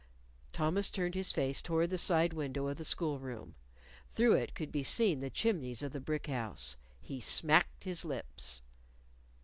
Thomas turned his face toward the side window of the school room. Through it could be seen the chimneys of the brick house. He smacked his lips.